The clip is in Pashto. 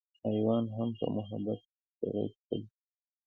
حېوان هم پۀ محبت د سړي خپل شي